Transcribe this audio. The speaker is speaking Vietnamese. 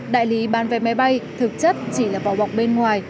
đại lý bán vé máy bay thực chất chỉ là vỏ bọc bên ngoài